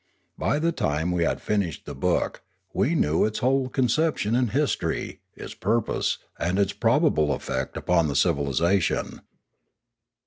By the time we had finished the book we knew its whole conception and history, its purpose, and its probable effect upon the civilisation.